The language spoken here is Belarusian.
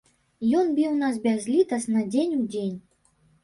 Ён біў нас бязлітасна дзень у дзень.